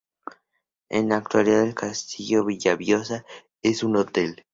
En la actualidad, el Castillo de Villaviciosa es un hotel.